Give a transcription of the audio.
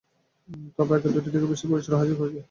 তবে আগের দুটি থেকেও বিশাল পরিসরে এবার হাজির হচ্ছে কৃষ থ্রি।